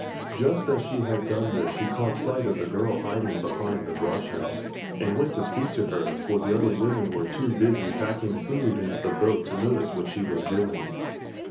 Just as she had done this she caught sight of the girl hiding behind the brush house, and went to speak to her; for the other women were too busy packing the food into the boat to notice what she was doing.